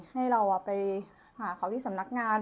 ให้เราไปหาเขาที่สำนักงาน